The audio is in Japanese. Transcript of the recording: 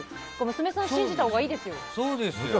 娘さんを信じたほうがいいですよ。